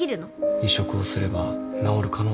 移植をすれば治る可能性もあるんだよ。